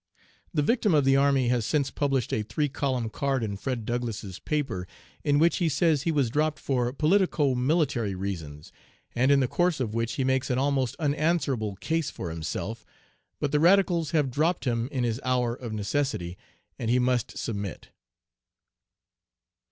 The victim of the army has since published a three column card in Fred Douglass's paper, in which he says he was dropped for politico military reasons, and in the course of which he makes an almost unanswerable case for himself, but the Radicals have dropped him in his hour of necessity, and he must submit."